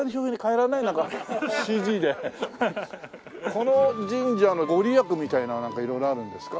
この神社の御利益みたいなのはなんか色々あるんですか？